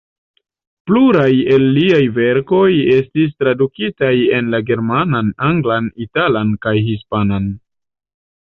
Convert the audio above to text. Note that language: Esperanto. Pluraj el liaj verkoj estis tradukitaj en la germanan, anglan, italan kaj hispanan.